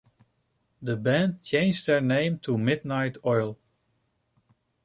The band changed their name to Midnight Oil.